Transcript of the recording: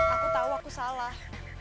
aku tahu aku salah